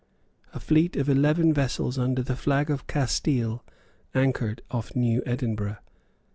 A fleet of eleven vessels under the flag of Castile anchored off New Edinburgh.